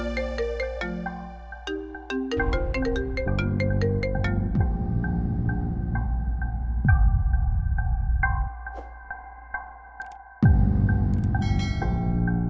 nisa dikantor ini